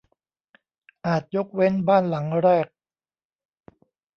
อาจยกเว้นบ้านหลังแรก